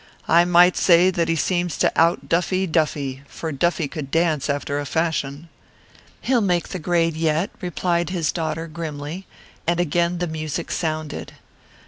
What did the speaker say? I might say that he seems to out Duffy Duffy for Duffy could dance after a fashion." "He'll make the grade yet," replied his daughter grimly, and again the music sounded.